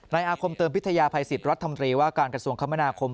อาคมเติมพิทยาภัยสิทธิ์รัฐมนตรีว่าการกระทรวงคมนาคม